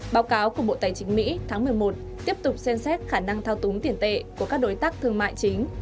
báo cáo của bộ tài chính mỹ tháng một mươi một tiếp tục xem xét khả năng thao túng tiền tệ của các đối tác thương mại chính